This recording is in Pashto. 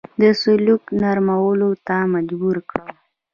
د سلوک نرمولو ته مجبور کړ.